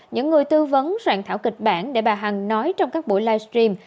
những người tư vấn soạn thảo kịch bản để bà hằng nói trong các buổi live stream